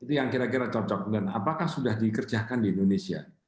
itu yang kira kira cocok dan apakah sudah dikerjakan di indonesia